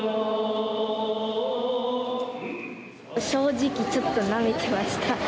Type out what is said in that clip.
正直ちょっとなめてました。